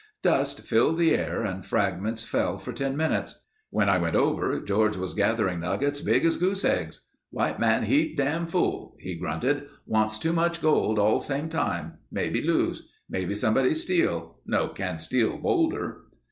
Dust filled the air and fragments fell for 10 minutes. When I went over George was gathering nuggets big as goose eggs. 'White man heap dam' fool,' he grunted. 'Wants too much gold all same time. Maybe lose. Maybe somebody steal. No can steal boulder.